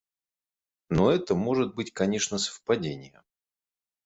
Но это может быть, конечно, совпадение.